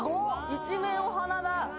一面お花だ！